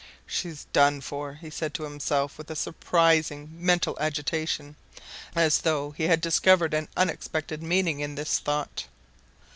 "She's done for," he said to himself, with a surprising mental agitation, as though he had discovered an unexpected meaning in this thought.